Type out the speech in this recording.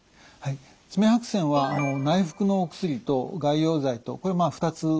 爪白癬は内服のお薬と外用剤と２つ方法があります。